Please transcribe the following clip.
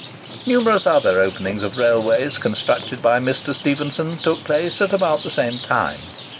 Numerous other openings of railways constructed by Mr. Stephenson took place about the same time.